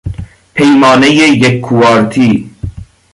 پیمانهی یک کوارتی